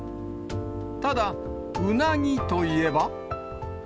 ただ、うなぎといえば。